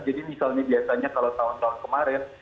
jadi misalnya biasanya kalau tahun tahun kemarin